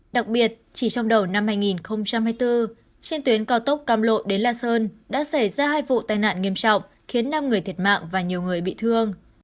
đặc biệt chỉ trong đầu năm hai nghìn hai mươi bốn trên tuyến cao tốc cam lộ đến la sơn đã xảy ra hai vụ tai nạn nghiêm trọng khiến năm người thiệt mạng và nhiều người bị thương